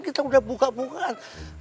kita udah buka bukaan